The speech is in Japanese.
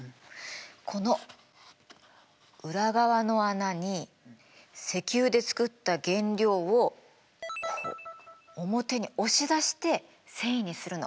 この裏側の穴に石油で作った原料をこう表に押し出して繊維にするの。